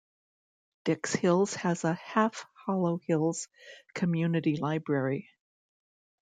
Dix Hills has a Half Hollow Hills Community Library.